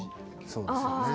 そうですよね。